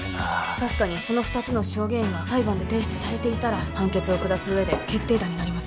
確かにその２つの証言が裁判で提出されていたら判決を下す上で決定打になります